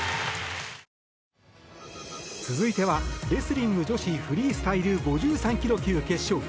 続いてはレスリング女子フリースタイル５３ｋｇ級決勝。